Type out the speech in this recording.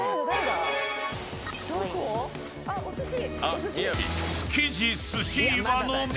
あっお寿司！